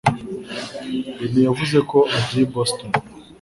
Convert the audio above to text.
Rene yavuze ko ugiye i Boston.